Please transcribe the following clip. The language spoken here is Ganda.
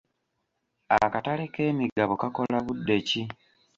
Akatale k'emigabo kakola budde ki?